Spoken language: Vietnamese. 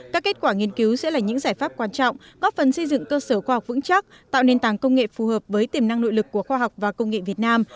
các kết quả nghiên cứu sẽ là những giải pháp quan trọng góp phần xây dựng cơ sở khoa học vững chắc tạo nền tảng công nghệ phù hợp với tiềm năng nội lực của khoa học và công nghệ việt nam